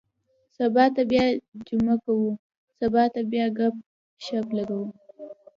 سبا ته بیا جمعه کُو. سبا ته بیا ګپ- شپ لګوو.